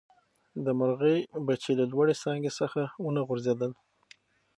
د مرغۍ بچي له لوړې څانګې څخه ونه غورځېدل.